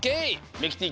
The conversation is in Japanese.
ミキティ